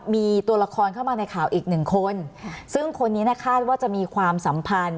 มีตัวละครเข้ามาในข่าวอีกหนึ่งคนซึ่งคนนี้เนี่ยคาดว่าจะมีความสัมพันธ์